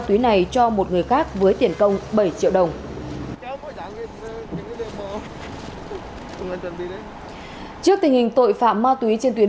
tuy này cho một người khác với tiền công bảy triệu đồng trước tình hình tội phạm ma túy trên tuyến